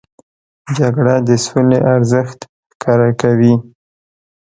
جګړه د سولې ارزښت ښکاره کوي